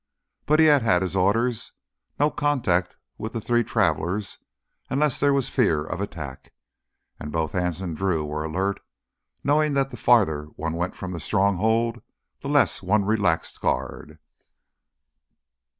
But he had had his orders: no contact with the three travelers unless there was fear of attack. And both Anse and Drew were alert, knowing that the farther one went from the Stronghold the less one relaxed guard.